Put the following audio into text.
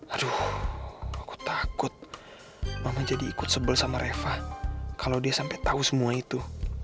aduh aku takut mama jadi ikut sebel sama reva kalau dia sampai tahu semua itu